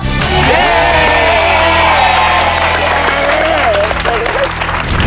เย้